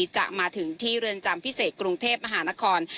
จะมาถึงที่เรือนจำพิเศษกรุงเทพมหานคร